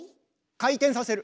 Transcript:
回転させる。